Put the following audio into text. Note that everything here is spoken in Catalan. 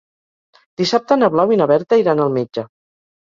Dissabte na Blau i na Berta iran al metge.